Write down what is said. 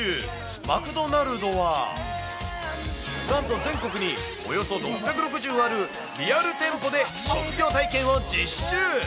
マクドナルドは、なんと全国におよそ６６０あるリアル店舗で職業体験を実施中。